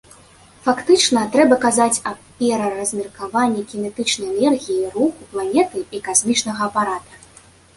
Фактычна, трэба казаць аб пераразмеркаванні кінетычнай энергіі руху планеты і касмічнага апарата.